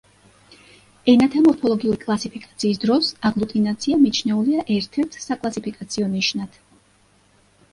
ენათა მორფოლოგიური კლასიფიკაციის დროს აგლუტინაცია მიჩნეულია ერთ-ერთ საკლასიფიკაციო ნიშნად.